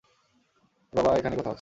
তোমার বাবা এখানেই কোথাও আছে।